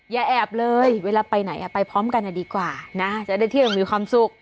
อย่าแอบเลยเวลาไปไหนไปพร้อมกันดีกว่านะจะได้เที่ยวมีความสุข